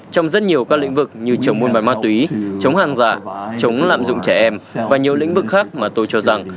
trong rất nhiều các lĩnh vực như chống buôn bán ma túy chống hàng giả chống lạm dụng trẻ em và nhiều lĩnh vực khác mà tôi cho rằng